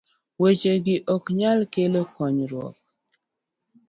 weche gi ok nyal kelo konyruok